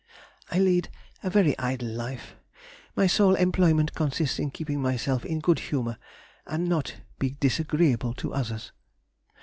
I lead a very idle life, my sole employment consists in keeping myself in good humour and not be disagreeable to others.